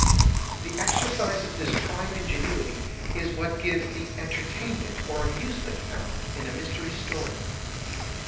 The exercise of this tried ingenuity is what gives the entertainment or amuse ment found in a mystery story.